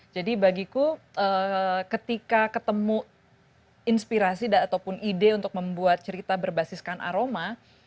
jadi bagiku ketika ketemu inspirasi atau ide untuk membuat cerita berbasiskan aroma